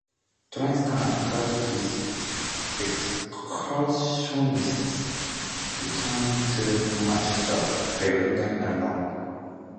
Trains came, crowded with excursionists returning to Manchester, Birmingham, and London.